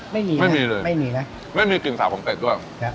ไม่มีเลยไม่มีกลิ่นสาวของเป็ดด้วย